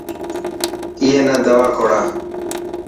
اي نا دوا کوڙا.